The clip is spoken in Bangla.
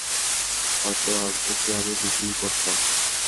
হয়তো ওকে আমি দুটোই করতাম।